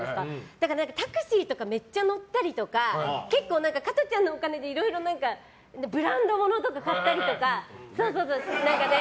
だから、タクシーとかめっちゃ乗ったりとか結構、加トちゃんのお金でいろいろブランド物とか買ったりとか。